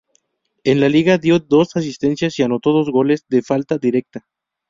En Liga dio dos asistencias y anotó dos goles de falta directa.